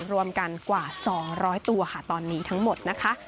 รวมกันกว่า๒๐๐ตัวค่ะตอนนี้ทั้งหมดนะคะ